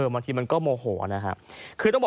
บางทีมันก็โมโหนะฮะ